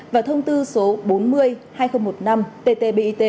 và thông tư số bốn trăm linh hai nghìn một mươi năm ttbit